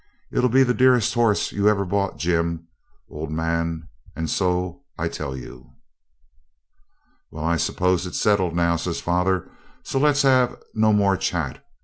It'll be the dearest horse you ever bought, Jim, old man, and so I tell you.' 'Well, I suppose it's settled now,' says father; 'so let's have no more chat.